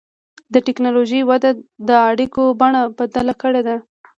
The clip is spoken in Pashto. د ټکنالوجۍ وده د اړیکو بڼه بدله کړې ده.